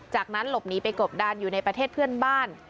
จากนั้นหลบหนีไปกบดานอยู่ในประเทศเพื่อนบ้าน